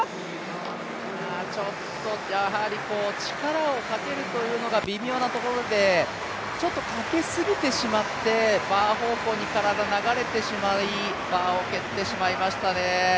やはり力をかけるというのが微妙なところでちょっとかけすぎてしまって、バー方向に体が流れてしまい、バーを蹴ってしまいましたね。